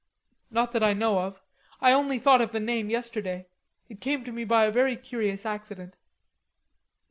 "Not that I know of.... I only thought of the name yesterday. It came to me by a very curious accident."